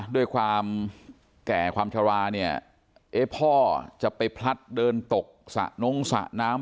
ด้วยความแก่ความชะลาเนี่ยเอ๊ะพ่อจะไปพลัดเดินตกสระน้องสระน้ำ